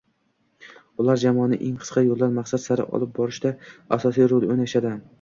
Ular jamoani eng qisqa yo’ldan maqsad sari olib borishda asosiy rol o’ynashadi